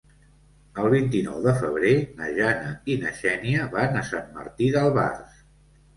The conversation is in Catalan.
El vint-i-nou de febrer na Jana i na Xènia van a Sant Martí d'Albars.